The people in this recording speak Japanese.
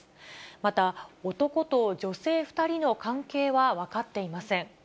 また、男と女性２人の関係は分かっていません。